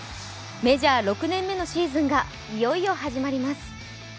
メジャー６年目のシーズンがいよいよ始まります。